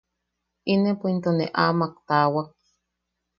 Inepo into ne ama taawak.